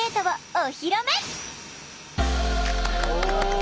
お！